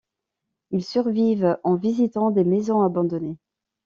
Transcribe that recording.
Ils survivent en visitant des maisons abandonnées.